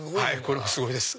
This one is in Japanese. これもすごいです。